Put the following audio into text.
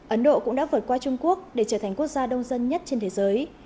ấn độ cũng đã vượt qua trung quốc để trở thành quốc gia đông dân nhất trên thế giới